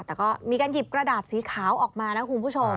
แต่ก็มีการหยิบกระดาษสีขาวออกมานะคุณผู้ชม